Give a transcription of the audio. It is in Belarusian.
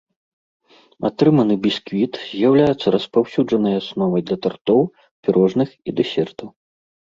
Атрыманы бісквіт з'яўляецца распаўсюджанай асновай для тартоў, пірожных і дэсертаў.